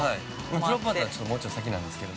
◆プロポーズはもうちょっと先なんですけど。